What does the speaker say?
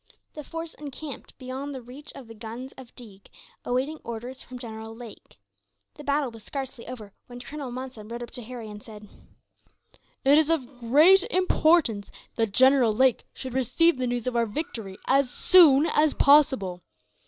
The force encamped beyond the reach of the guns of Deeg, awaiting orders from General Lake. The battle was scarcely over when Colonel Monson rode up to Harry, and said: "It is of great importance that General Lake should receive the news of our victory, as soon as possible.